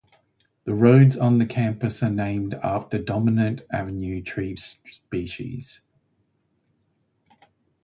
The roads on the campus are named after the dominant avenue tree species.